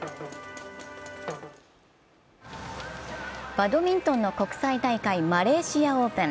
バドミントンの国際大会、マレーシアオープン。